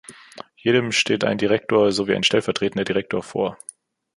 Jedem steht ein Direktor sowie ein stellvertretender Direktor vor.